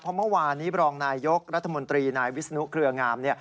เพราะเมื่อวานนี้บรองนายยกรัฐมนตรีนายวิศนุเครืองาม